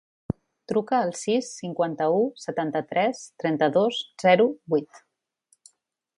Truca al sis, cinquanta-u, setanta-tres, trenta-dos, zero, vuit.